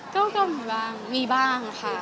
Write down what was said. ก็มีบ้างค่ะ